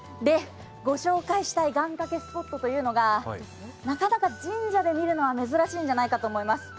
ご紹介したい願かけスポットというのはなかなか神社で見るのは珍しいと思います。